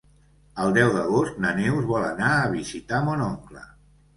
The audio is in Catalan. El deu d'agost na Neus vol anar a visitar mon oncle.